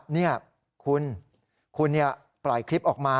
นี่คุณคุณปล่อยคลิปออกมา